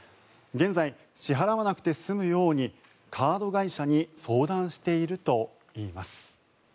現在、支払わなくて済むようにカード会社に相談しているといいます。